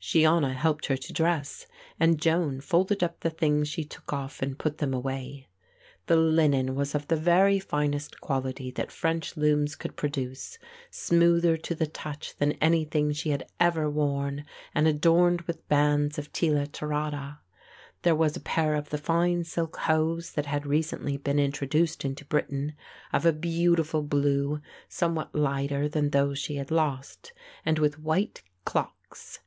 Shiona helped her to dress and Joan folded up the things she took off and put them away. The linen was of the very finest quality that French looms could produce, smoother to the touch than anything she had ever worn, and adorned with bands of tela tirata. There was a pair of the fine silk hose that had recently been introduced into Britain, of a beautiful blue, somewhat lighter than those she had lost, and with white clocks.